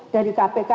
dari kpk dua